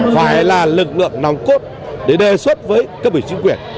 phải là lực lượng nòng cốt để đề xuất với các vị chính quyền